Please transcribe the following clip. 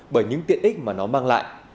bởi những tiện ích mà nó mang lại